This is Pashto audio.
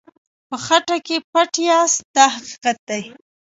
په خټه کې پټ یاست دا حقیقت دی.